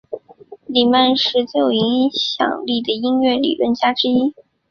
里曼是最有影响力的音乐理论家之一。